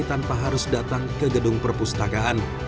tanpa harus datang ke gedung perpustakaan